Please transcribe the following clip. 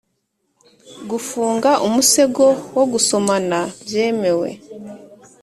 gufunga umusego wo gusomana byemewe;